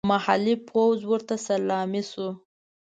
محلي پوځ ورته سلامي شو.